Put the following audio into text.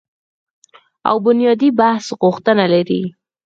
او بنیادي بحث غوښتنه لري